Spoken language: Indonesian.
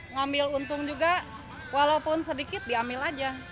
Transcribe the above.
ngambil untung juga walaupun sedikit diambil aja